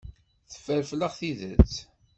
Teffer fell-aɣ tidet.